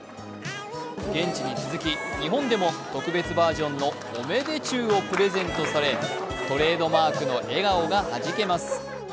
現地に続き、日本でも特別バージョンのオメデチュウをプレゼントされトレードマークの笑顔がはじけます。